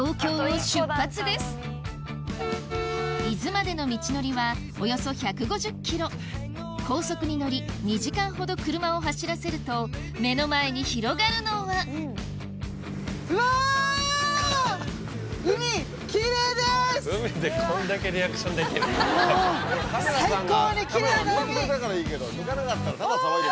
伊豆までの道のりはおよそ１５０ｋｍ高速に乗り２時間ほど車を走らせると目の前に広がるのは海でこんだけリアクションできるの？